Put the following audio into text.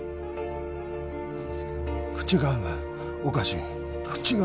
口がおかしい。